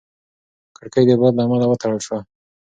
کړکۍ د باد له امله وتړل شوه.